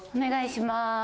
お願いします。